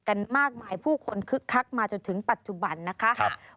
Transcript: กันมากมายผู้คนคึกคักมาจนถึงปัจจุบันนะคะครับ